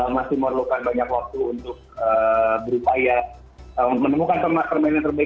masih memerlukan banyak waktu untuk berupaya menemukan permainan terbaik